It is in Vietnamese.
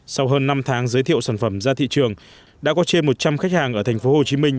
sau hơn năm tháng giới thiệu sản phẩm ra thị trường đã có trên một trăm linh khách hàng ở thành phố hồ chí minh